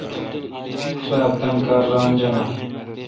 سواب تان کار ران جانہ۔